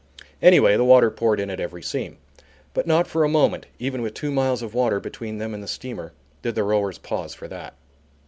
Anyway, the water poured in at every seam. But not for a moment, even with two miles of water between them and the steamer, did the rowers pause for that.